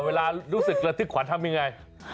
เวลารู้สึกระทึกขวัญทำยังไง